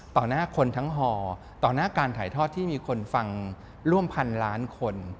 หน้าคนทั้งห่อต่อหน้าการถ่ายทอดที่มีคนฟังร่วมพันล้านคน